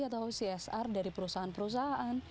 atau csr dari perusahaan perusahaan